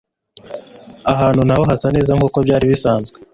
ahantu ntago hasa neza nkuko byari bisanzwe